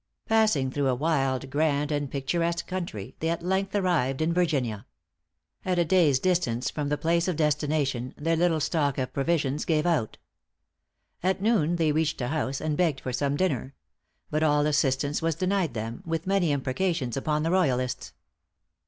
'" Passing through a wild, grand, and picturesque country, they at length arrived in Virginia. At a day's distance from the place of destination, their little stock of provisions gave out. At noon they reached a house, and begged for some dinner; but all assistance was denied them, with many imprecations upon the royalists.